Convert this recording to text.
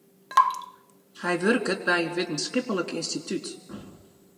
Hy wurket by in wittenskiplik ynstitút.